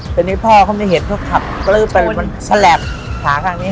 ทีนี้พ่อเขาไม่ได้เห็นเพราะว่าขับกลื้อไปมันแสลปขาข้างนี้